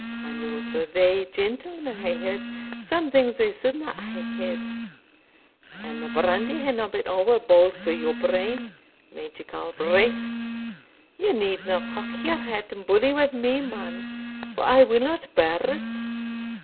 And also thae gentlemen hae heard some things they suldna hae heard, an the brandy hadna been ower bauld for your brain, Major Galbraith. Ye needna cock your hat and bully wi' me, man, for I will not bear it."